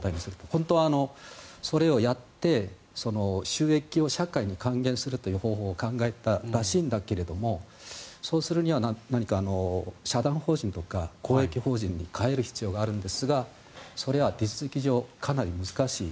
本当はそれをやって収益を社会に還元する方法を考えたらしいんだけれどもそうするには何か社団法人とか公益法人に変える必要があるんですがそれは手続き上かなり難しい。